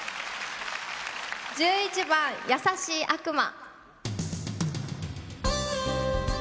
１１番「やさしい悪魔」。